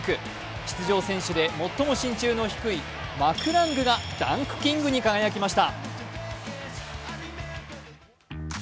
出場選手で最も身長の低いマクラングがダンクキングに輝きました。